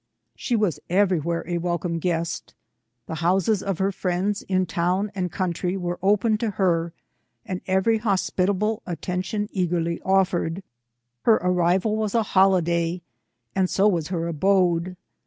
She was everywhere a welcome guest. The houses of her friends in town and country were open to her, and every hospitable attention eagerly oflPered. Her arrival was a holiday, and so was her abode.